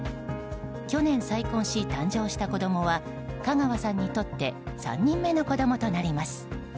去年、再婚し誕生した子供は香川さんにとって３人目の子供となります。